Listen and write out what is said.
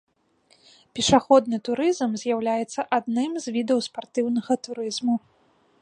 Пешаходны турызм з'яўляецца адным з відаў спартыўнага турызму.